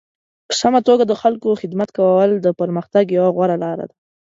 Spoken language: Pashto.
په سمه توګه د خلکو خدمت کول د پرمختګ یوه غوره لاره ده.